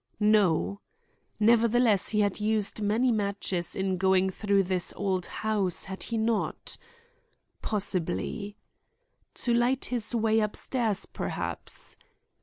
No. Nevertheless he had used many matches in going through this old house, had he not? Possibly. To light his way upstairs, perhaps?